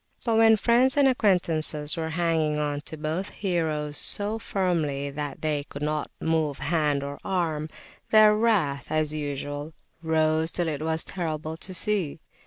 But when friends and acquaintances were hanging on to both heroes so firmly that they could not move hand or arm, their wrath, as usual, rose, till it was terrible to see.